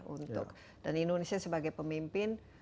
untuk dan indonesia sebagai pemimpin